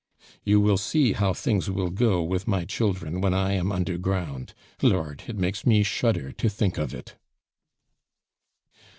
"You will see how things will go with my children when I am under ground. Lord! it makes me shudder to think of it."